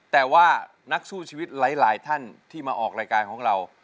แต่ว่านักสู้ชีวิตหลายท่านที่มาออกรายการของเรา